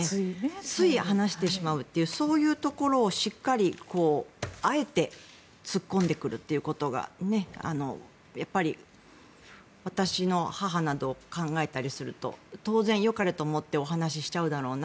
つい話してしまうというそういうところをしっかり、あえて突っ込んでくるということがやっぱり私の母などを考えたりすると当然、よかれと思ってお話ししちゃうだろうな。